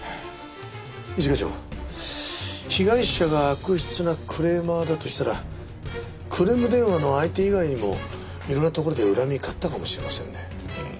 一課長被害者が悪質なクレーマーだとしたらクレーム電話の相手以外にもいろんなところで恨み買ってたかもしれませんね。